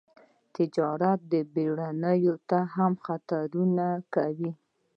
تجارتي بېړیو ته هم خطر متوجه کاوه.